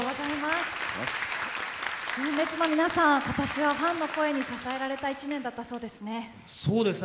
純烈の皆さん、今年はファンの声に支えられた１年だったそうですね。